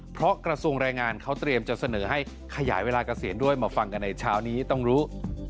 เพราะกระทรวงแรงงานเขาเตรียมจะเสนอให้ขยายเวลาเกษียณด้วยมาฟังกันในเช้านี้ต้องรู้